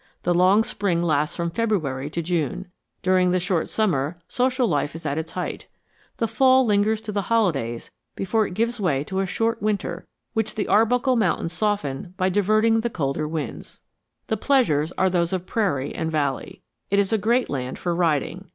The long spring lasts from February to June. During the short summer, social life is at its height. The fall lingers to the holidays before it gives way to a short winter, which the Arbuckle Mountains soften by diverting the colder winds. The pleasures are those of prairie and valley. It is a great land for riding.